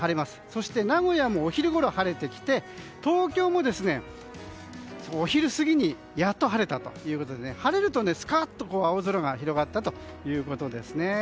そして、名古屋もお昼ごろに晴れてきて東京もお昼過ぎにやっと晴れたということで晴れるとスカッと青空が広がったということですね。